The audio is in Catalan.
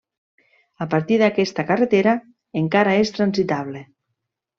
A partir d'aquesta carretera encara és transitable.